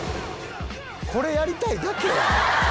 これやりたいだけやん。